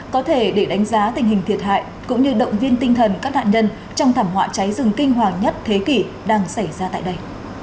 có thể để đánh giá tình hình thiệt hại cũng như động viên tinh thần các nạn nhân trong thảm họa cháy rừng kinh hoàng nhất thế kỷ đang xảy ra tại đây